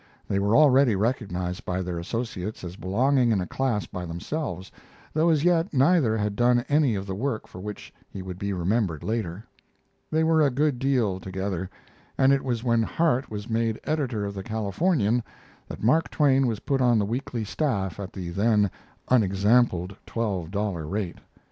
They were already recognized by their associates as belonging in a class by themselves, though as yet neither had done any of the work for which he would be remembered later. They were a good deal together, and it was when Harte was made editor of the Californian that Mark Twain was put on the weekly staff at the then unexampled twelve dollar rate.